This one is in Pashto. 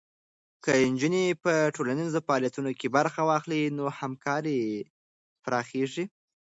که نجونې په ټولنیزو فعالیتونو کې برخه واخلي، نو همکاري پراخېږي.